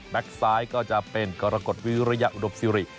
แบปซ้ายจะเป็นกรกฏวิรยาอุดบศิรี